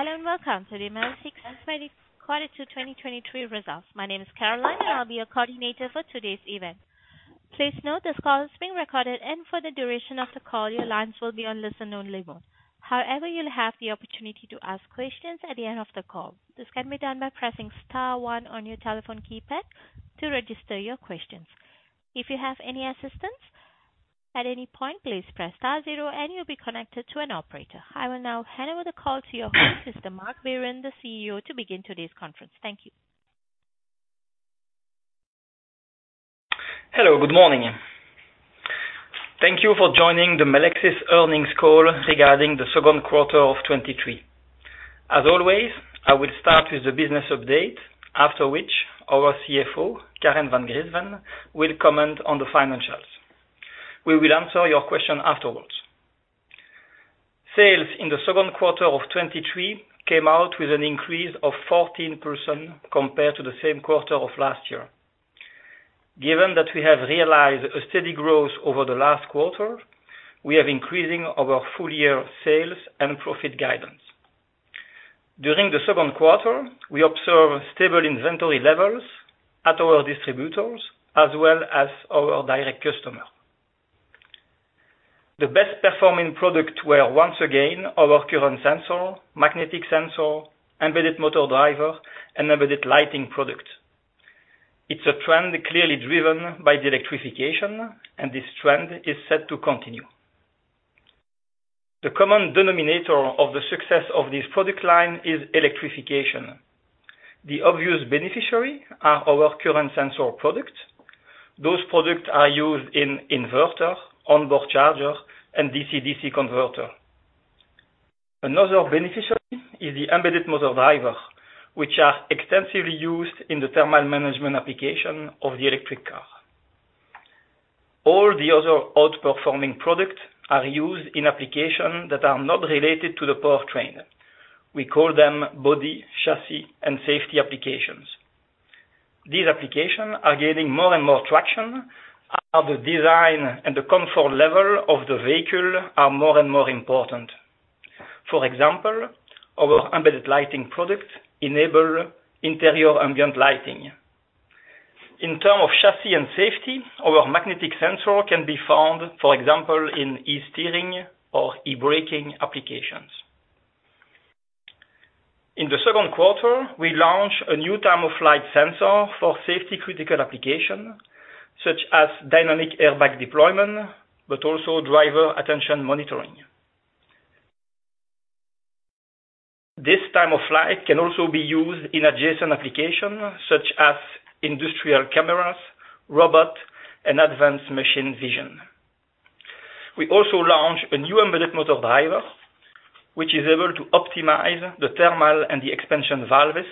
Hello, and welcome to the Melexis Quarterly Q2 2023 results. My name is Caroline, and I'll be your coordinator for today's event. Please note this call is being recorded, and for the duration of the call, your lines will be on listen-only mode. However, you'll have the opportunity to ask questions at the end of the call. This can be done by pressing star one on your telephone keypad to register your questions. If you have any assistance at any point, please press star zero and you'll be connected to an operator. I will now hand over the call to your host, Mr. Marc Biron, the CEO, to begin today's conference. Thank you. Hello, good morning. Thank you for joining the Melexis Earnings Call regarding the second quarter of 2023. As always, I will start with the business update, after which our CFO, Karen Van Griensven, will comment on the financials. We will answer your question afterwards. Sales in the second quarter of 2023 came out with an increase of 14% compared to the same quarter of last year. Given that we have realized a steady growth over the last quarter, we are increasing our full year sales and profit guidance. During the second quarter, we observed stable inventory levels at our distributors as well as our direct customer. The best performing product were, once again, our current sensor, magnetic sensor, embedded motor driver and embedded lighting product. It's a trend clearly driven by the electrification, and this trend is set to continue. The common denominator of the success of this product line is electrification. The obvious beneficiary are our current sensor products. Those products are used in inverter, onboard charger, and DC/DC converter. Another beneficiary is the embedded motor driver, which are extensively used in the thermal management application of the electric car. All the other outperforming products are used in applications that are not related to the powertrain. We call them body, chassis, and safety applications. These applications are gaining more and more traction as the design and the comfort level of the vehicle are more and more important. For example, our embedded lighting product enable interior ambient lighting. In term of chassis and safety, our magnetic sensor can be found, for example, in e-steering or e-braking applications. In the second quarter, we launched a new time-of-flight sensor for safety critical application, such as dynamic airbag deployment, but also driver attention monitoring. This time-of-flight can also be used in adjacent application such as industrial cameras, robot, and advanced machine vision. We also launched a new embedded motor driver, which is able to optimize the thermal and the expansion valves,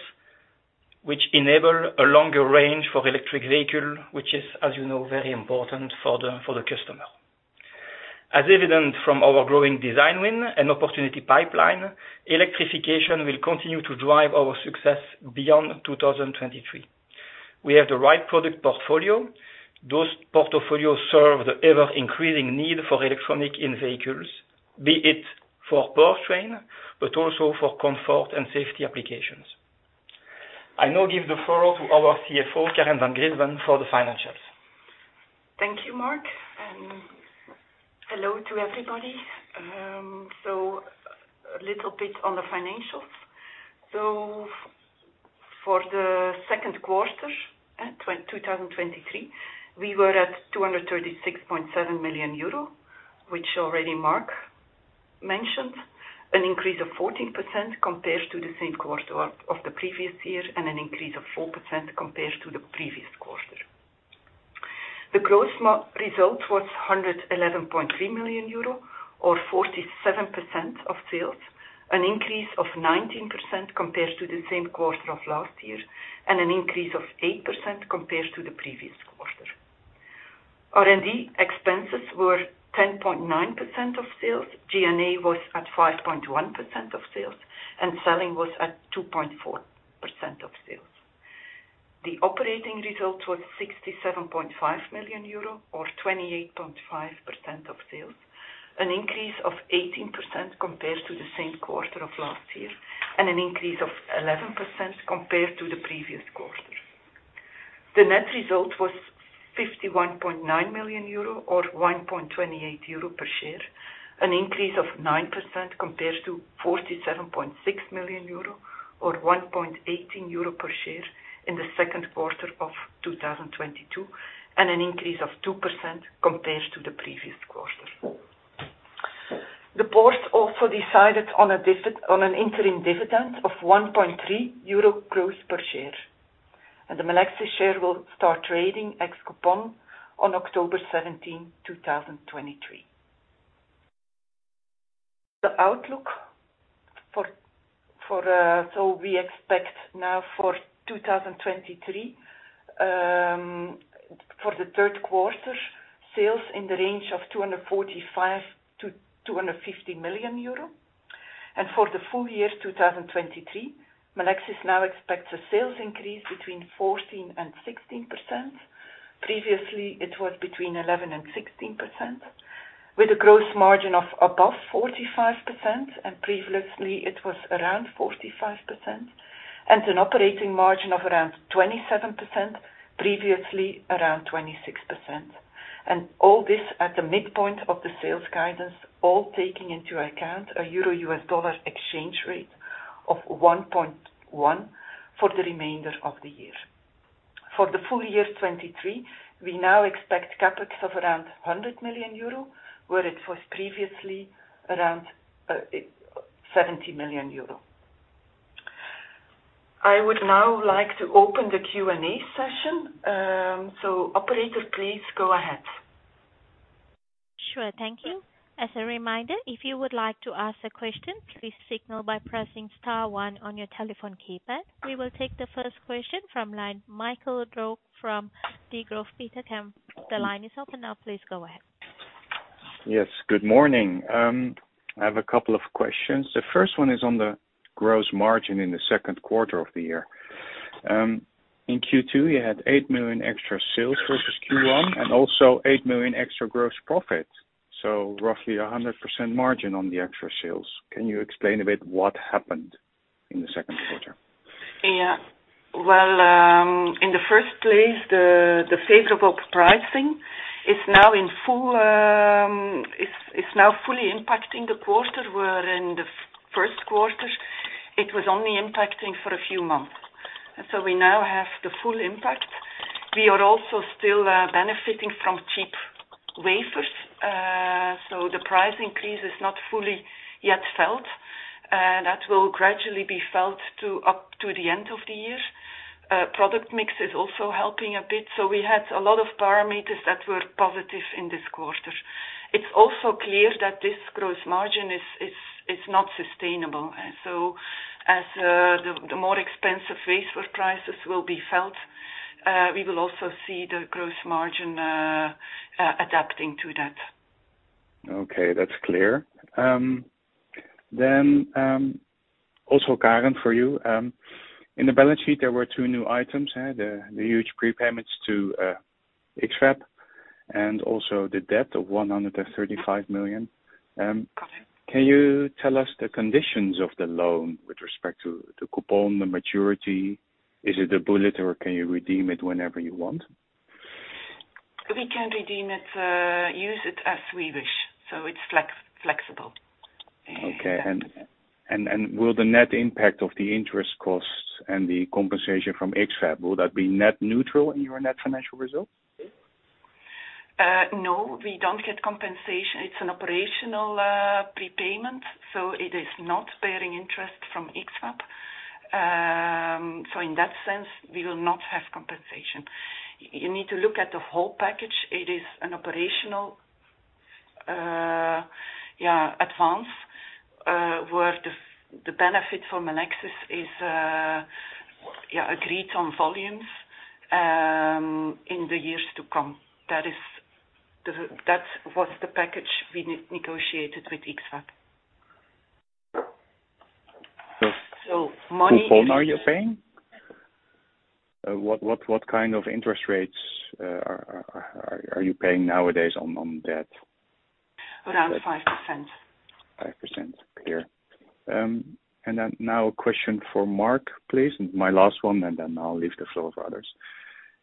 which enable a longer range for electric vehicle, which is, as you know, very important for the, for the customer. As evident from our growing design win and opportunity pipeline, electrification will continue to drive our success beyond 2023. We have the right product portfolio. Those portfolios serve the ever-increasing need for electronic in vehicles, be it for powertrain but also for comfort and safety applications. I now give the floor to our CFO, Karen Van Griensven, for the financials. Thank you, Marc. Hello to everybody. A little bit on the financials. For the second quarter 2023, we were at 236.7 million euro, which already Marc mentioned, an increase of 14% compared to the same quarter of the previous year, and an increase of 4% compared to the previous quarter. The gross result was 111.3 million euro or 47% of sales, an increase of 19% compared to the same quarter of last year, and an increase of 8% compared to the previous quarter. R&D expenses were 10.9% of sales. G&A was at 5.1% of sales, selling was at 2.4% of sales. The operating result was 67.5 million euro or 28.5% of sales, an increase of 18% compared to the same quarter of last year, and an increase of 11% compared to the previous quarter. The net result was 51.9 million euro or 1.28 per share, an increase of 9% compared to 47.6 million euro or 1.18 per share in the second quarter of 2022, and an increase of 2% compared to the previous quarter. The board also decided on an interim dividend of 1.3 euro gross per share, and the Melexis share will start trading ex-coupon on October 17, 2023. The outlook for, for, we expect now for 2023, for the 3rd quarter, sales in the range of 245 million-250 million euro. For the full year 2023, Melexis now expects a sales increase between 14% and 16%. Previously, it was between 11% and 16%. With a gross margin of above 45%, previously it was around 45%, and an operating margin of around 27%, previously around 26%. All this at the midpoint of the sales guidance, all taking into account a EUR/USD exchange rate of 1.1 for the remainder of the year. For the full year 2023, we now expect CapEx of around 100 million euro, where it was previously around 70 million euro. I would now like to open the Q&A session. Operator, please go ahead. Sure. Thank you. As a reminder, if you would like to ask a question, please signal by pressing star one on your telephone keypad. We will take the first question from line, Marcel Achterberg from Degroof Petercam. The line is open now, please go ahead. Yes, good morning. I have a couple of questions. The first one is on the gross margin in the second quarter of the year. In Q2, you had 8 million extra sales versus Q1, and also 8 million extra gross profit, so roughly 100% margin on the extra sales. Can you explain a bit what happened in the second quarter? Yeah. Well, in the first place, the, the favorable pricing is now in full, it's, it's now fully impacting the quarter, where in the first quarter, it was only impacting for a few months. So we now have the full impact. We are also still benefiting from cheap wafers, so the price increase is not fully yet felt. That will gradually be felt to up to the end of the year. Product mix is also helping a bit, so we had a lot of parameters that were positive in this quarter. It's also clear that this gross margin is, is, is not sustainable. So as the, the more expensive wafer prices will be felt, we will also see the gross margin adapting to that. Okay, that's clear. Also, Karen, for you, in the balance sheet, there were two new items, the huge prepayments to X-FAB, and also the debt of 135 million. Can you tell us the conditions of the loan with respect to the coupon, the maturity? Is it a bullet, or can you redeem it whenever you want? We can redeem it, use it as we wish, so it's flexible. Okay. Will the net impact of the interest costs and the compensation from X-FAB, would that be net neutral in your net financial result? No, we don't get compensation. It's an operational prepayment, so it is not bearing interest from X-FAB. In that sense, we will not have compensation. You need to look at the whole package. It is an operational advance, where the benefit for Melexis is agreed on volumes in the years to come. That is the, that was the package we negotiated with X-FAB. So- So money- Coupon are you paying? What, what, what kind of interest rates, are, are, are, are you paying nowadays on, on debt? Around 5%. 5%. Clear. Then now a question for Marc, please. My last one, and then I'll leave the floor for others.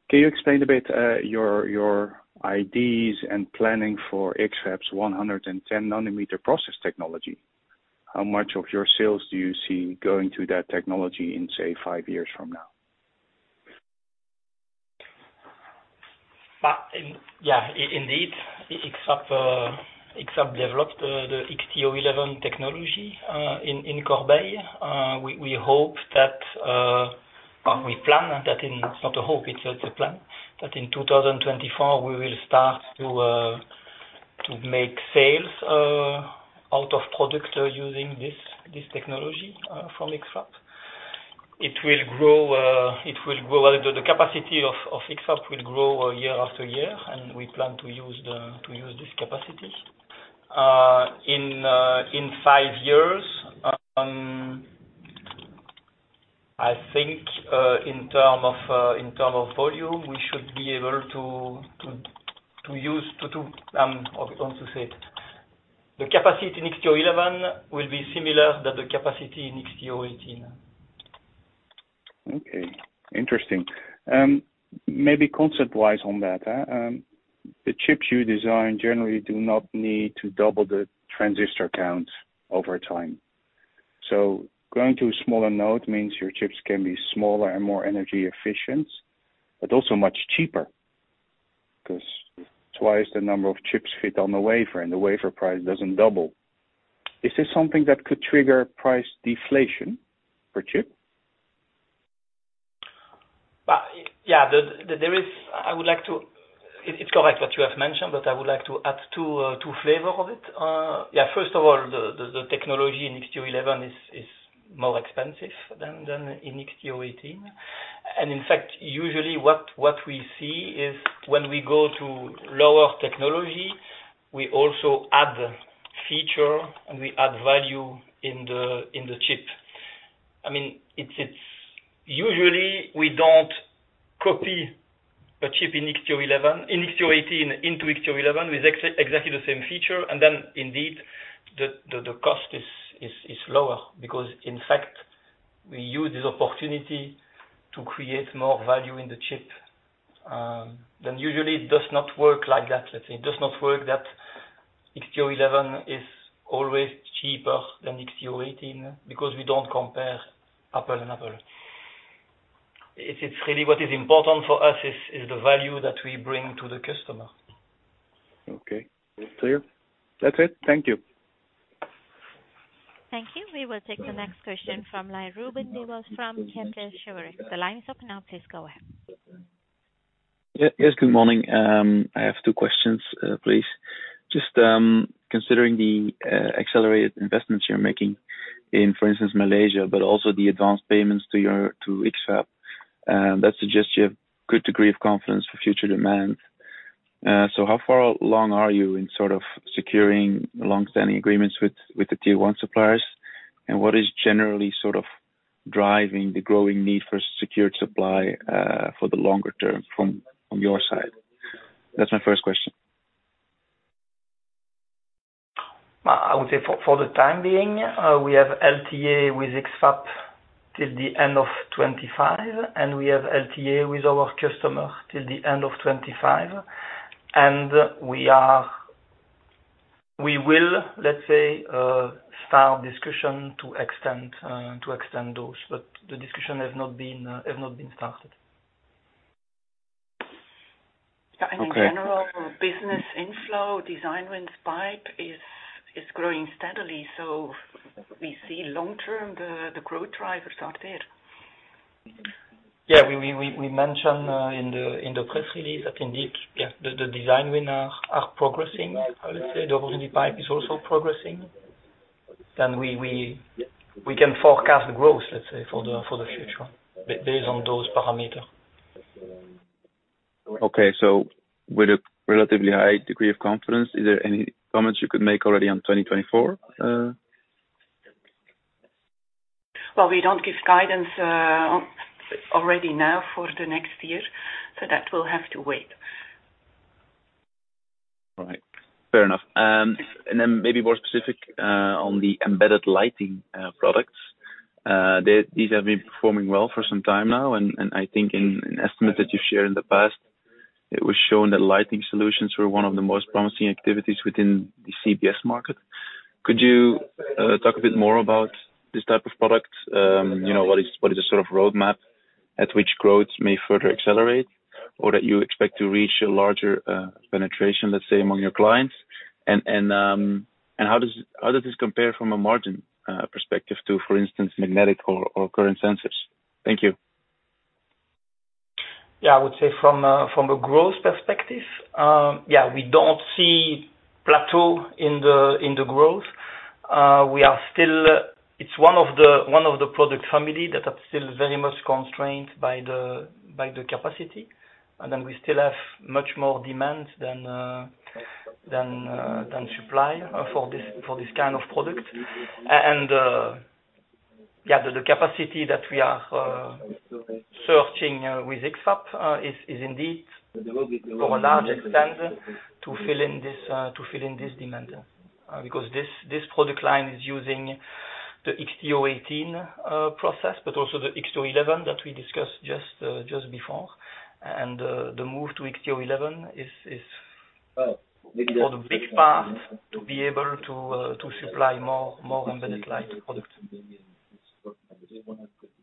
Can you explain a bit your IDs and planning for X-FAB's 110 nm process technology? How much of your sales do you see going to that technology in, say, five years from now? Indeed, X-FAB developed the XT011 technology in Corbeil. We hope that, or we plan that in... It's not a hope, it's a plan, that in 2024 we will start to make sales out of products using this technology from X-FAB. It will grow, it will grow, the capacity of X-FAB will grow year after year, and we plan to use this capacity. In five years, I think in term of volume, we should be able to use, how to say it, the capacity in XT011 will be similar to the capacity in XT018. Okay, interesting. Maybe concept-wise on that, the chips you design generally do not need to double the transistor count over time. Going to a smaller node means your chips can be smaller and more energy efficient, but also much cheaper, 'cause twice the number of chips fit on the wafer, and the wafer price doesn't double. Is this something that could trigger price deflation per chip? Yeah, it's correct what you have mentioned, but I would like to add two, two flavor of it. Yeah, first of all, the technology in XT011 is more expensive than in XT018. In fact, usually, what we see is when we go to lower technology, we also add feature, and we add value in the chip. I mean, it's usually we don't copy a chip in XT018 into XT011 with exactly the same feature, and then indeed, the cost is lower. In fact, we use this opportunity to create more value in the chip, than usually it does not work like that. Let's say, it does not work, that XT011 is always cheaper than XT018, because we don't compare apple and apple. It's really what is important for us is, is the value that we bring to the customer. Okay. It's clear. That's it. Thank you. Thank you. We will take the next question from Ruben Devos from Kepler Cheuvreux The line is open now, please go ahead. Yeah. Yes, good morning. I have two questions, please. Just considering the accelerated investments you're making in, for instance, Malaysia, but also the advanced payments to your, to X-FAB, that suggests you have good degree of confidence for future demand. How far along are you in sort of securing long-standing agreements with, with the tier one suppliers? What is generally sort of driving the growing need for secured supply for the longer term from, from your side? That's my first question. I would say for, for the time being, we have LTA with X-FAB, till the end of 25, and we have LTA with our customer till the end of 25. We will, let's say, start discussion to extend, to extend those, but the discussion has not been, have not been started. Okay. Yeah, in general, business inflow, design win pipe is growing steadily, so we see long-term the growth drivers are there. We, we, we, we mentioned in the press release that indeed, the design winner are progressing. I would say the opportunity pipe is also progressing. We, we, we can forecast growth, let's say, for the future, based on those parameters. With a relatively high degree of confidence, is there any comments you could make already on 2024? We don't give guidance already now for the next year, so that will have to wait. All right. Fair enough. Maybe more specific on the embedded lighting products. These have been performing well for some time now. I think in an estimate that you've shared in the past, it was shown that lighting solutions were one of the most promising activities within the CBS market. Could you talk a bit more about this type of product? You know, what is, what is the sort of roadmap at which growth may further accelerate, or that you expect to reach a larger penetration, let's say, among your clients? How does, how does this compare from a margin perspective to, for instance, magnetic or current sensors? Thank you. I would say from a growth perspective, yeah, we don't see plateau in the growth. We are still-- it's one of the product family that are still very much constrained by the capacity, and then we still have much more demand than supply for this kind of product. Yeah, the capacity that we are searching with X-FAB is indeed from a large extent to fill in this demand. This product line is using the XT018 process, but also the XT011 that we discussed just before. The move to XT011 is for the big part to be able to supply more embedded light product.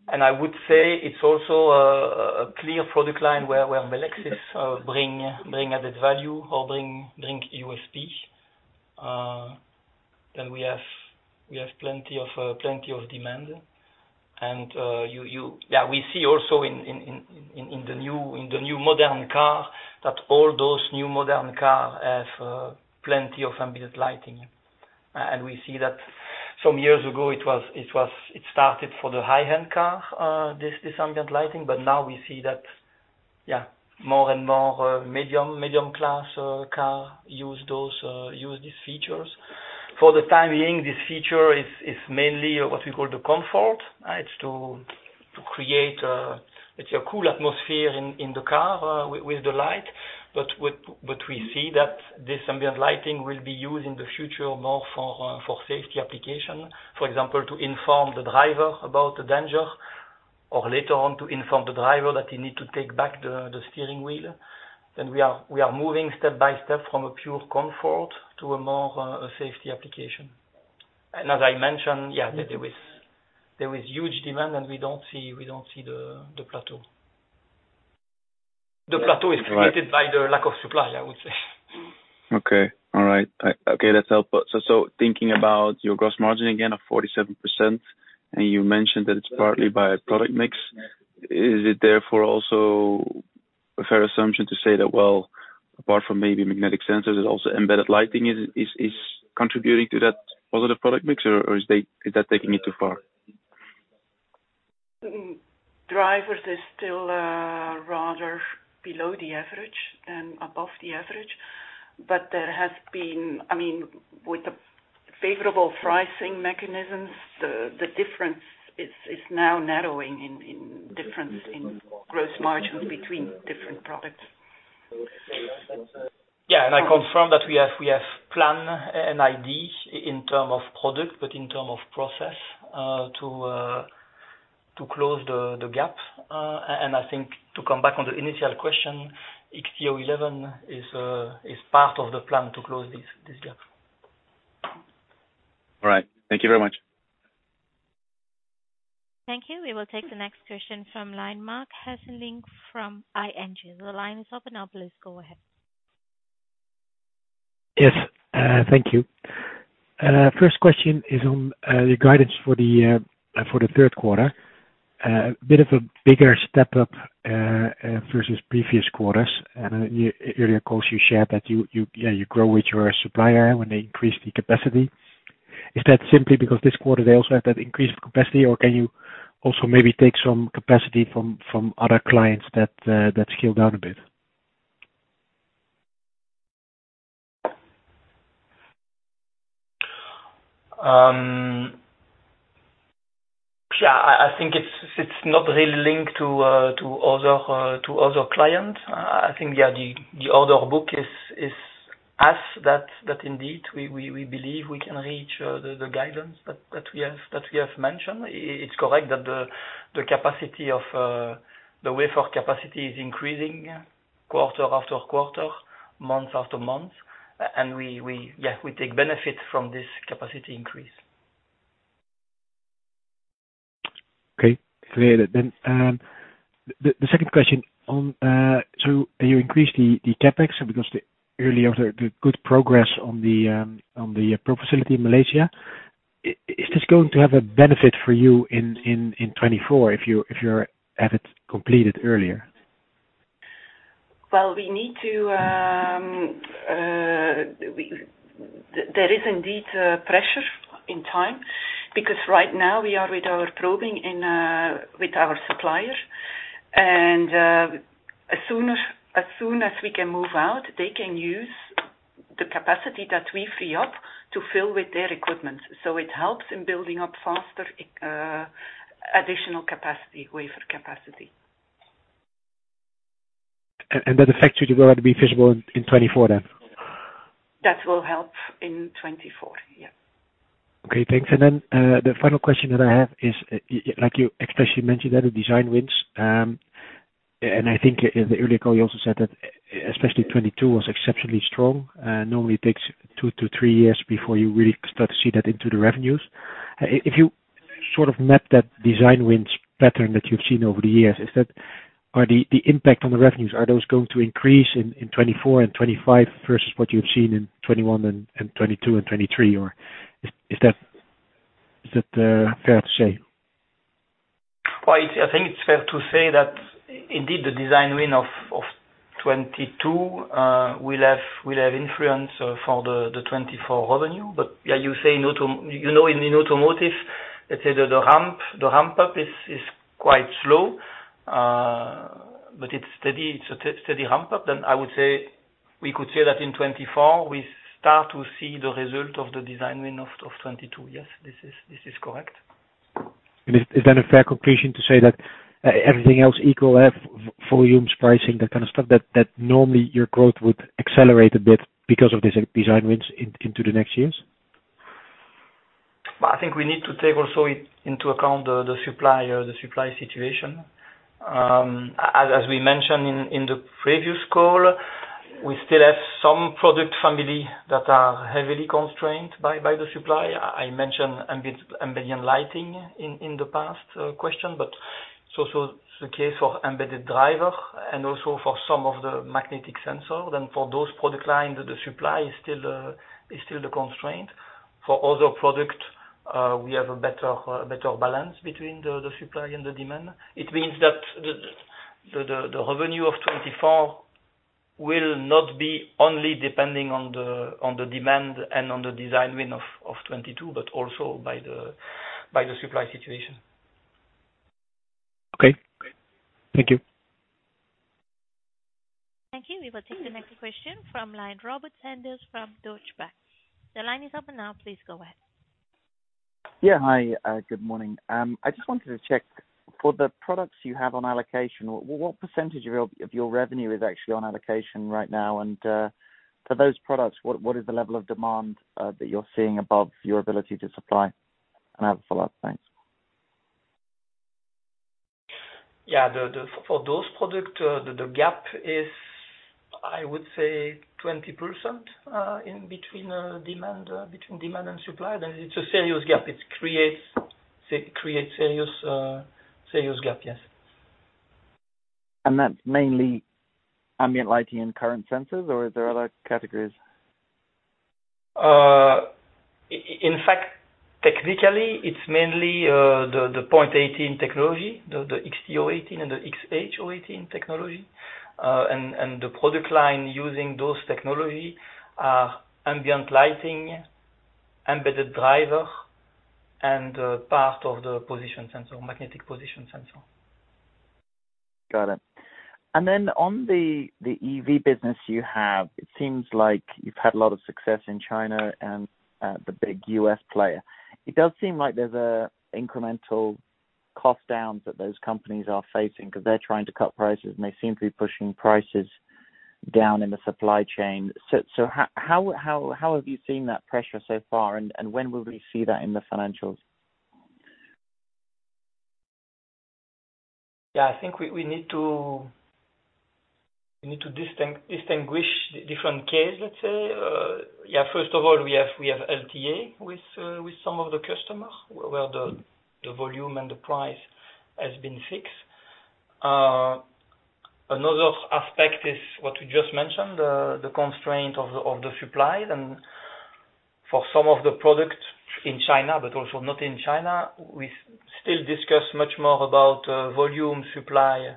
I would say it's also a clear product line where Melexis bring, bring added value or bring, bring USP. We have, we have plenty of plenty of demand. We see also in, in, in, in, in the new, in the new modern car, that all those new modern car have plenty of ambient lighting. We see that some years ago it was, it started for the high-end car, this, this ambient lighting, but now we see that more and more medium, medium class car use those use these features. For the time being, this feature is, is mainly what we call the comfort, it's to, to create, let's say, a cool atmosphere in, in the car, with, with the light. We see that this ambient lighting will be used in the future more for safety application. For example, to inform the driver about the danger, or later on to inform the driver that they need to take back the, the steering wheel. We are, we are moving step by step from a pure comfort to a more safety application. As I mentioned, yeah, there is, there is huge demand, and we don't see, we don't see the, the plateau. The plateau is created- Right. By the lack of supply, I would say. Okay. All right. Okay, that's helpful. So thinking about your gross margin again of 47%, and you mentioned that it's partly by product mix. Is it therefore also a fair assumption to say that, well, apart from maybe magnetic sensors, it also embedded lighting is contributing to that positive product mix, or is that taking it too far? Drivers is still rather below the average than above the average. There has been, I mean, with the favorable pricing mechanisms, the, the difference is, is now narrowing in, in difference in gross margins between different products. Yeah, and I confirm that we have, we have plan and ID in term of product, but in term of process, to, to close the, the gap. I think to come back on the initial question, XT011 is, is part of the plan to close this, this gap. All right. Thank you very much. Thank you. We will take the next question from line. Marc Hesselink from ING. The line is open now, please go ahead. Yes, thank you. First question is on the guidance for the third quarter. Bit of a bigger step up versus previous quarters. And then earlier calls you shared that you, you, yeah, you grow with your supplier when they increase the capacity. Is that simply because this quarter they also have that increased capacity, or can you also maybe take some capacity from, from other clients that scale down a bit? I, I think it's, it's not really linked to other, to other clients. I, I think, the, the order book is, is as that, that indeed, we, we, we believe we can reach, the, the guidance that, that we have, that we have mentioned. It's correct that the, the capacity of, the wafer capacity is increasing quarter after quarter, month-after-month, and we, we, we take benefit from this capacity increase. Okay, clear then. The, the second question on, so you increase the, the CapEx because the, earlier the, the good progress on the, on the pro facility in Malaysia, is this going to have a benefit for you in, in, in 2024, if you, if you have it completed earlier? Well, we need to, we. There is indeed a pressure in time, because right now we are with our probing and with our supplier. As sooner, as soon as we can move out, they can use the capacity that we free up to fill with their equipment. It helps in building up faster, additional capacity, wafer capacity. That affects you to go out to be visible in 2024 then? That will help in 2024. Yeah. Okay, thanks. Then, the final question that I have is, like you especially mentioned that the design wins, and I think in the earlier call, you also said that especially 2022 was exceptionally strong. Normally takes two-three years before you really start to see that into the revenues. If you sort of map that design wins pattern that you've seen over the years, is that... Are the, the impact on the revenues, are those going to increase in 2024 and 2025 versus what you've seen in 2021 and 2022 and 2023, or is, is that, is that, fair to say? Well, I think it's fair to say that indeed, the design win of 2022, will have, will have influence for the, the 2024 revenue. Yeah, you say auto- you know, in the automotive, let's say the, the ramp, the ramp up is, is quite slow, but it's steady, it's a steady ramp up. I would say, we could say that in 2024, we start to see the result of the design win of 2022. Yes, this is, this is correct. Is, is that a fair conclusion to say that everything else equal, volumes, pricing, that kind of stuff, that, that normally your growth would accelerate a bit because of these design wins into the next years? Well, I think we need to take also into account the, the supplier, the supply situation. As, as we mentioned in, in the previous call, we still have some product family that are heavily constrained by, by the supply. I mentioned ambient, ambient lighting in, in the past question, so, so the case for embedded driver and also for some of the magnetic sensor, for those product lines, the supply is still, is still the constraint. For other product, we have a better, better balance between the, the supply and the demand. It means that the, the, the, the revenue of 2024 will not be only depending on the, on the demand and on the design win of, of 2022, but also by the, by the supply situation. Okay. Thank you. Thank you. We will take the next question from line, Robert Sanders from Deutsche Bank. The line is open now, please go ahead. Yeah, hi. Good morning. I just wanted to check for the products you have on allocation, what % of your, of your revenue is actually on allocation right now? For those products, what, what is the level of demand that you're seeing above your ability to supply? I have a follow-up. Thanks. Yeah, the, the, for those product, the, the gap is, I would say 20%, in between demand, between demand and supply. It's a serious gap. It creates creates serious, serious gap. Yes. That's mainly ambient lighting and current sensors, or are there other categories? In fact, technically, it's mainly the 0.18 micron technology, the XT018 and the XHO eighteen technology. The product line using those technology are ambient lighting, embedded driver, and part of the position sensor, magnetic position sensor. Got it. Then on the, the EV business you have, it seems like you've had a lot of success in China and the big U.S. player. It does seem like there's a incremental cost downs that those companies are facing, 'cause they're trying to cut prices, and they seem to be pushing prices down in the supply chain. How, how, how have you seen that pressure so far, and, and when will we see that in the financials? I think we need to distinguish the different case, let's say. First of all, we have LTA with some of the customers, where the volume and the price has been fixed. Another aspect is what you just mentioned, the constraint of the supply, then for some of the products in China, but also not in China, we still discuss much more about volume supply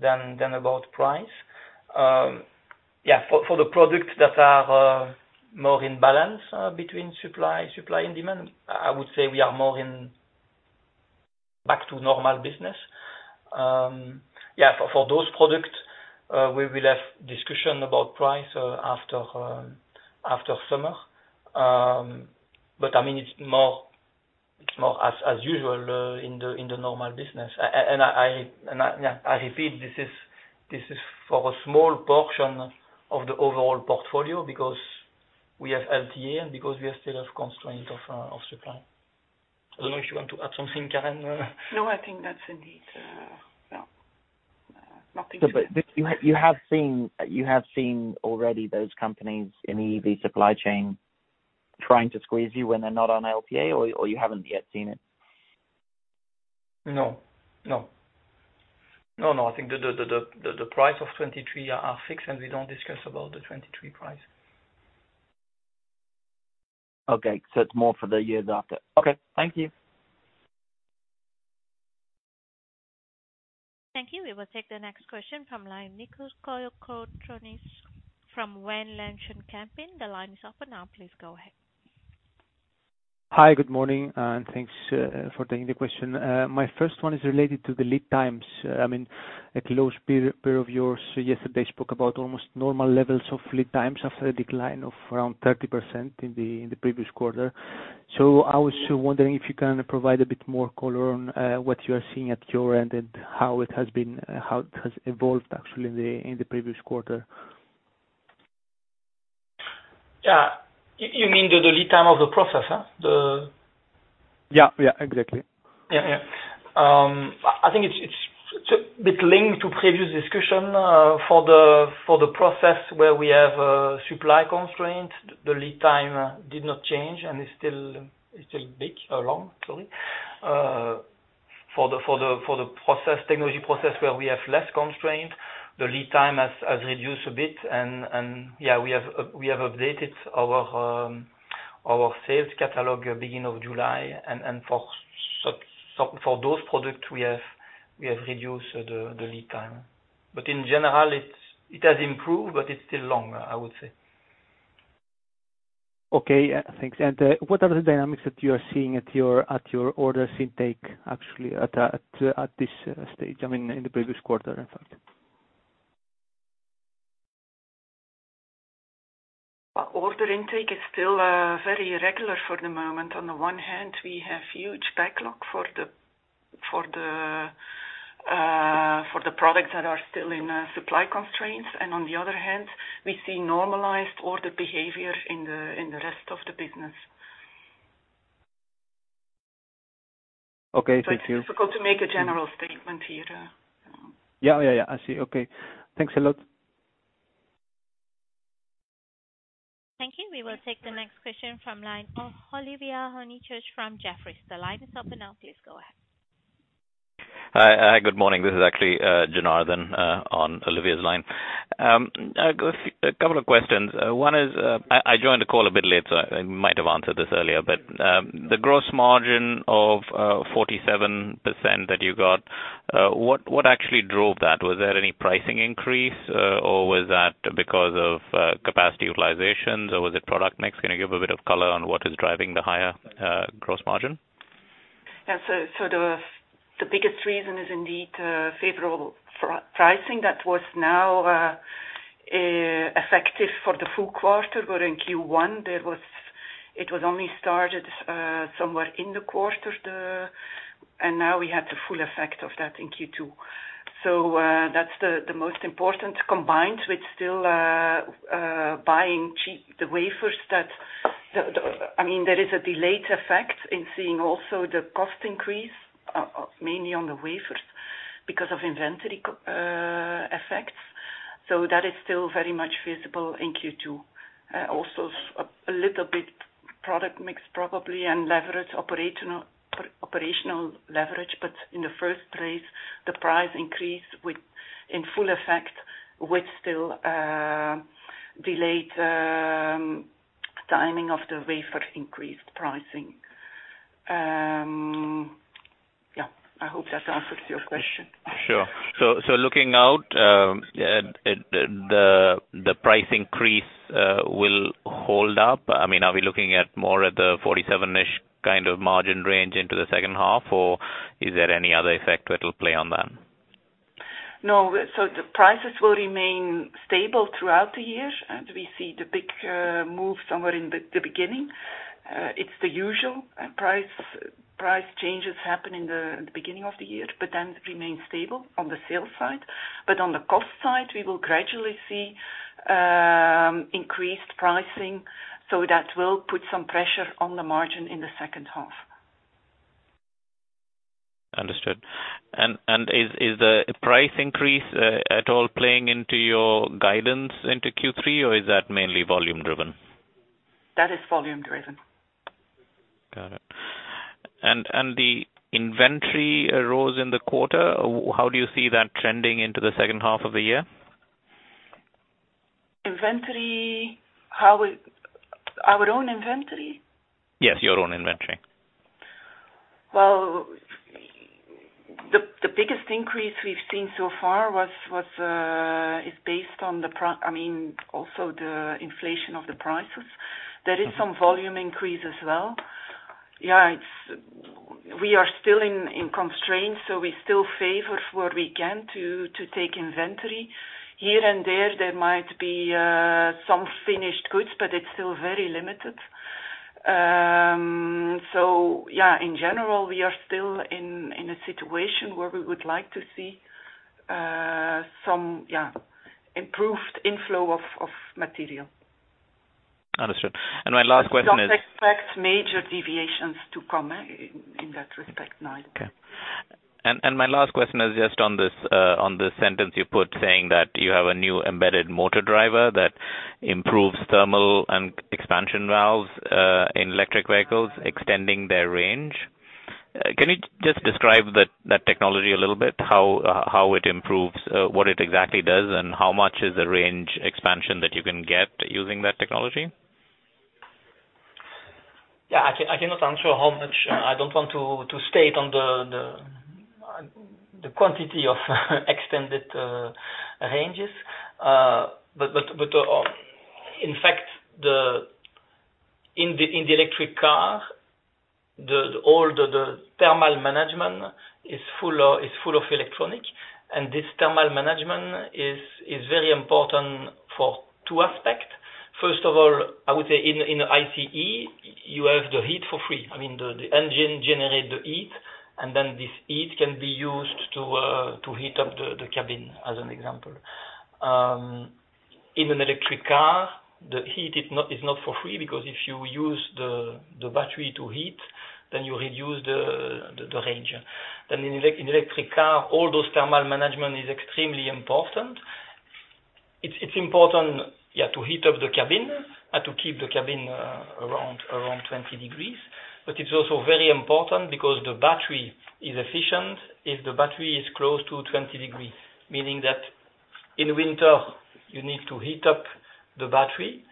than about price. For the products that are more in balance between supply and demand, I would say we are more in back to normal business. For those products, we will have discussion about price after after summer. I mean, it's more, it's more as, as usual, in the, in the normal business. Yeah, I repeat, this is, this is for a small portion of the overall portfolio, because we have LTA, and because we are still have constraint of supply. I don't know if you want to add something, Karen? No, I think that's indeed, yeah. Nothing- You, you have seen, you have seen already those companies in the EV supply chain trying to squeeze you when they're not on LTA or, or you haven't yet seen it? No, no. No, no, I think the price of 2023 are fixed. We don't discuss about the 2023 price. Okay. It's more for the years after. Okay. Thank you. Thank you. We will take the next question from line, Nikos Kolokotronis from Van Lanschot Kempen. The line is open now, please go ahead. Hi, good morning, and thanks for taking the question. My first one is related to the lead times. I mean, a close peer, peer of yours, yesterday spoke about almost normal levels of lead times after a decline of around 30% in the, in the previous quarter. I was just wondering if you can provide a bit more color on what you are seeing at your end, and how it has been, how it has evolved actually in the previous quarter? Yeah. You, you mean the, the lead time of the process? Yeah. Yeah, exactly. Yeah. Yeah. I think it's, it's bit linked to previous discussion, for the, for the process where we have, supply constraint, the lead time did not change, and it's still, it's still big, long, sorry. For the, for the, for the process, technology process where we have less constraint, the lead time has, has reduced a bit, and, and, yeah, we have updated our, our sales catalog at beginning of July, and, and for so, so for those products we have, we have reduced the, the lead time. In general, it's, it has improved, but it's still long, I would say. Okay, yeah, thanks. What are the dynamics that you are seeing at your, at your orders intake, actually, at, at, at this stage, I mean, in the previous quarter, in fact? Well, order intake is still very irregular for the moment. On the one hand, we have huge backlog for the, for the, for the products that are still in supply constraints. On the other hand, we see normalized order behavior in the, in the rest of the business. Okay. Thank you. It's difficult to make a general statement here. Yeah. Yeah, yeah, I see. Okay. Thanks a lot. Thank you. We will take the next question from line of Olivia Honychurch from Jefferies. The line is open now, please go ahead. Hi, hi, good morning. This is actually Janardan on Olivia's line. A couple of questions. One is, I, I joined the call a bit late, so I might have answered this earlier, but the gross margin of 47% that you got, what, what actually drove that? Was there any pricing increase, or was that because of capacity utilizations, or was it product mix? Can you give a bit of color on what is driving the higher gross margin? Yeah, so, so the, the biggest reason is indeed, favorable pricing that was now effective for the full quarter. Where in Q1, there was. It was only started somewhere in the quarter, the, and now we have the full effect of that in Q2. That's the, the most important, combined with still, buying cheap, the wafers that, the, the, I mean, there is a delayed effect in seeing also the cost increase, mainly on the wafers, because of inventory effects. That is still very much visible in Q2. Also, a little bit product mix, probably, and leverage operational, operational leverage, but in the first place, the price increase with in full effect, with still, delayed, timing of the wafer increased pricing. Sure. So looking out, at, at the, the price increase, will hold up? I mean, are we looking at more at the 47-ish kind of margin range into the second half, or is there any other effect that will play on that? No. The prices will remain stable throughout the year, and we see the big move somewhere in the beginning. It's the usual. Price, price changes happen in the beginning of the year, but then remain stable on the sales side. On the cost side, we will gradually see increased pricing, so that will put some pressure on the margin in the second half. Understood. Is, is the price increase, at all playing into your guidance into Q3, or is that mainly volume driven? That is volume driven. Got it. The inventory arose in the quarter, how do you see that trending into the second half of the year? Inventory, how it. Our own inventory? Yes, your own inventory. Well, the, the biggest increase we've seen so far was, was, is based on the pri- I mean, also the inflation of the prices. There is some volume increase as well. Yeah, it's, we are still in, in constraints, so we still favor where we can to, to take inventory. Here and there, there might be, some finished goods, but it's still very limited. Yeah, in general, we are still in, in a situation where we would like to see, some, yeah, improved inflow of, of material. Understood. My last question is- Do not expect major deviations to come, in, in that respect, no. Okay. My last question is just on this, on this sentence you put, saying that you have a new embedded motor driver that improves thermal and expansion valves, in electric vehicles, extending their range. Can you just describe that, that technology a little bit, how, how it improves, what it exactly does, and how much is the range expansion that you can get using that technology? Yeah, I cannot answer how much. I don't want to, to state on the, the quantity of extended ranges. But, but, in fact, the, in the, in the electric car, the, all the, the thermal management is full of, is full of electronic, and this thermal management is, is very important for two aspects. First of all, I would say in, in ICE, you have the heat for free. I mean, the, the engine generate the heat, and then this heat can be used to heat up the, the cabin, as an example. In an electric car, the heat is not, is not for free, because if you use the, the battery to heat, then you reduce the, the, the range. In electric car, all those thermal management is extremely important. It's, it's important, yeah, to heat up the cabin and to keep the cabin around, around 20 degrees. It's also very important because the battery is efficient, if the battery is close to 20 degrees, meaning that in winter, you need to heat up the battery,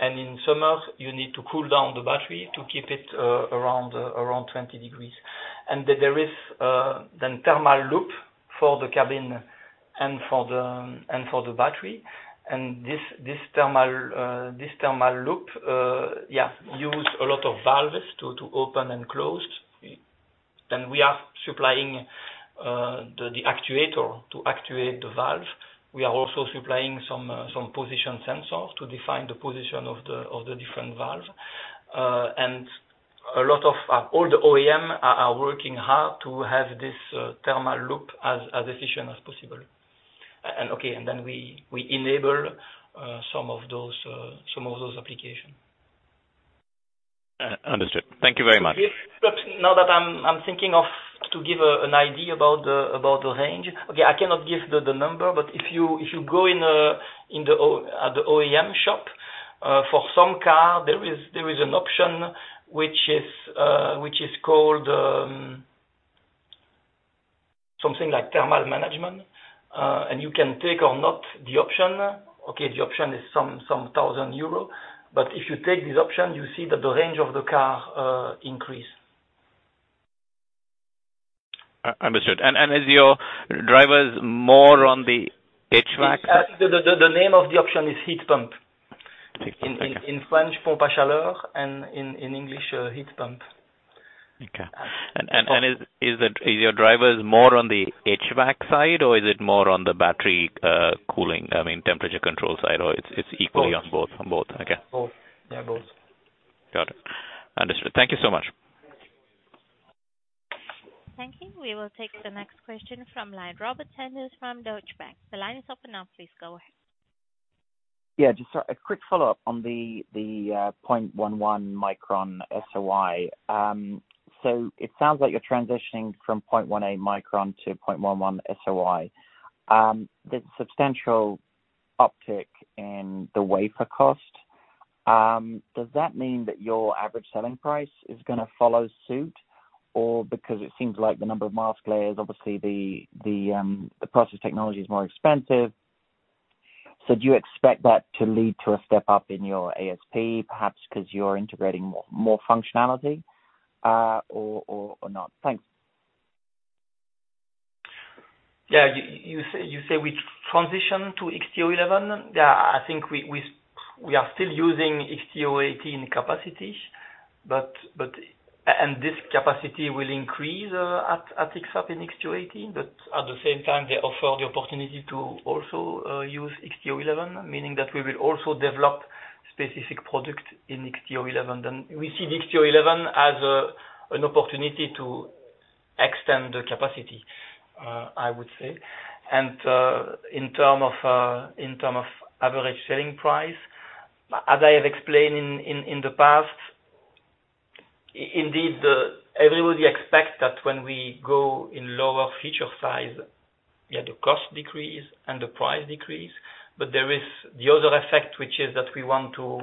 and in summer, you need to cool down the battery to keep it around, around 20 degrees. There is then thermal loop for the cabin and for the, and for the battery. This, this thermal, this thermal loop, yeah, use a lot of valves to, to open and close. We are supplying the, the actuator to actuate the valve. We are also supplying some, some position sensors to define the position of the, of the different valve. A lot of, all the OEM are working hard to have this thermal loop as efficient as possible. Okay, then we enable some of those, some of those applications. Understood. Thank you very much. If, now that I'm thinking of to give an idea about the range. Okay, I cannot give the number, but if you go in at the OEM shop for some car, there is an option which is called something like thermal management, and you can take or not the option. Okay, the option is some 1,000 euro, but if you take this option, you see that the range of the car increase. Understood. And, is your drivers more on the HVAC? The name of the option is Heat Pump. Thank you. In, in, in French, pompe à chaleur, and in, in English, heat pump. Okay. Is your drivers more on the HVAC side, or is it more on the battery, cooling, I mean, temperature control side, or it's, it's equally-? Both. on both? On both. Okay. Both. Yeah, both. Got it. Understood. Thank you so much. Thank you. We will take the next question from line. Robert Sanders from Deutsche Bank. The line is open now, please go ahead. Yeah, just a quick follow-up on the 0.11 micron SOI. It sounds like you're transitioning from 0.18 micron to 0.11 SOI. The substantial uptick in the wafer cost, does that mean that your average selling price is gonna follow suit? Because it seems like the number of mask layers, obviously the process technology is more expensive. Do you expect that to lead to a step up in your ASP, perhaps because you're integrating more, more functionality, or, or, or not? Thanks. Yeah. You say we transition to XT011. Yeah, I think we are still using XT018 capacity, this capacity will increase at X-FAB in XT018. At the same time, they offer the opportunity to also use XT011, meaning that we will also develop specific product in XT011. We see XT011 as an opportunity to extend the capacity, I would say. In term of, in term of average selling price, as I have explained in the past, indeed, the everybody expect that when we go in lower feature size, yeah, the cost decrease and the price decrease. There is the other effect, which is that we want to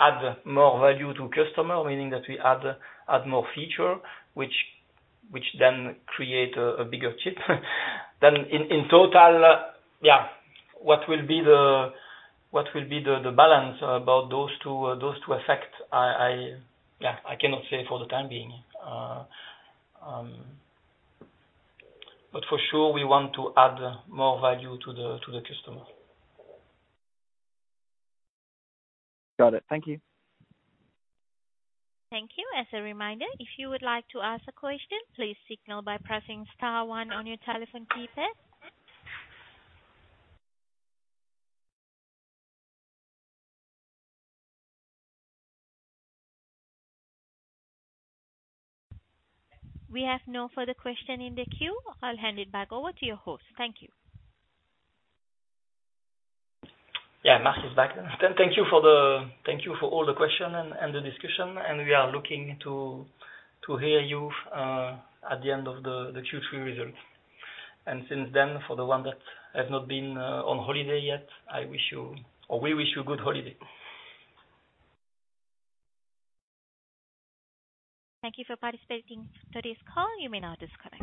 add more value to customer, meaning that we add, add more feature, which, which then create a, a bigger chip. In, in total, yeah, what will be the, what will be the, the balance about those two, those two effects? I, I, yeah, I cannot say for the time being. For sure, we want to add more value to the, to the customer. Got it. Thank you. Thank you. As a reminder, if you would like to ask a question, please signal by pressing star one on your telephone keypad. We have no further question in the queue. I'll hand it back over to your host. Thank you. Yeah, Marc is back. Thank you for all the question and, and the discussion. We are looking to, to hear you at the end of the Q3 results. Since then, for the one that have not been on holiday yet, I wish you, or we wish you a good holiday. Thank you for participating in today's call. You may now disconnect.